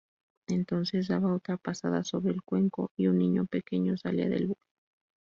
Entonces daba otra pasada sobre el cuenco y un niño pequeño salía del bol.